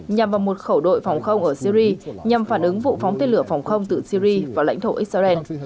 nhằm vào một khẩu đội phòng không ở syri nhằm phản ứng vụ phóng tên lửa phòng không từ syri vào lãnh thổ israel